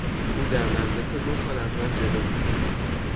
او در مدرسه دو سال از من جلو بود.